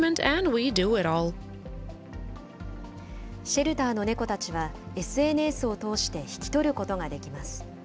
シェルターの猫たちは、ＳＮＳを通して引き取ることができます。